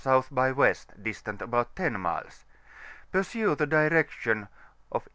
by W., distant about 10 miles ; pursue the direction of E.